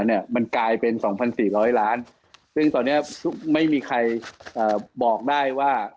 เนี่ยมันกลายเป็น๒๔๐๐ล้านซึ่งตอนนี้ไม่มีใครบอกได้ว่า